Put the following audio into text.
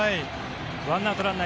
１アウトランナー